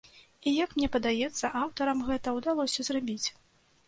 І як мне падаецца, аўтарам гэта ўдалося зрабіць.